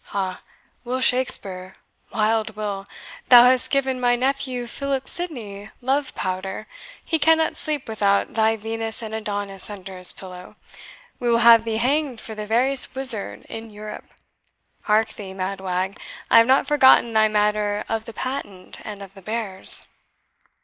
Ha, Will Shakespeare wild Will! thou hast given my nephew Philip Sidney, love powder; he cannot sleep without thy Venus and Adonis under his pillow! We will have thee hanged for the veriest wizard in Europe. Hark thee, mad wag, I have not forgotten thy matter of the patent, and of the bears."